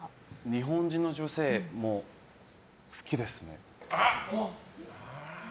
日本人の女性も好きですね。